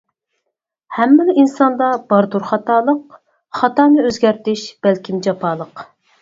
ھەممىلا ئىنساندا باردۇر خاتالىق، خاتانى ئۆزگەرتىش بەلكىم جاپالىق.